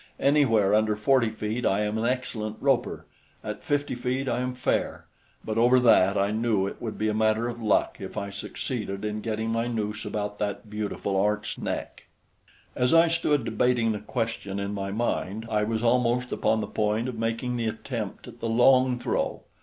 Anywhere under forty feet I am an excellent roper, at fifty feet I am fair; but over that I knew it would be a matter of luck if I succeeded in getting my noose about that beautiful arched neck. As I stood debating the question in my mind, I was almost upon the point of making the attempt at the long throw.